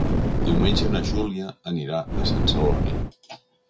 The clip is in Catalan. Diumenge na Júlia anirà a Sant Celoni.